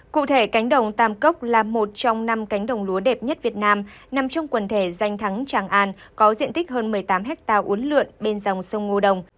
cụ thể cánh đồng tam cốc là một trong năm cánh đồng lúa đẹp nhất việt nam nằm trong quần thể danh thắng tràng an có diện tích hơn một mươi tám hectare uốn lượn bên dòng sông ngô đồng